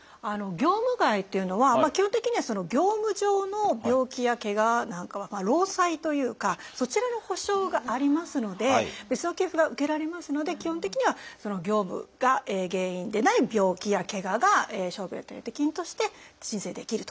業務外というのは基本的には業務上の病気やけがなんかは労災というかそちらの補償がありますので別の給付が受けられますので基本的にはその業務が原因でない病気やけがが傷病手当金として申請できると。